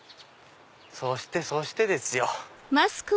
そしてそしてですよ。